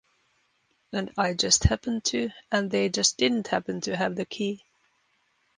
And I just happened to, and they just didn't happen to have the key.